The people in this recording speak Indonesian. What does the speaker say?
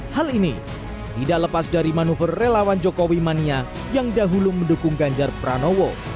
hal ini tidak lepas dari manuver relawan jokowi mania yang dahulu mendukung ganjar pranowo